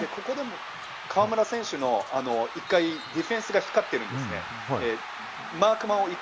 ここでも河村選手のディフェンスが光ってるんですね。